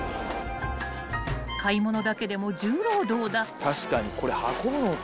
［買い物だけでも重労働だ］